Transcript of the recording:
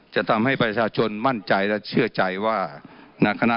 จะทำให้ประชาชนมั่นใจและเชื่อใจว่ามณคณะบุคคลนั้น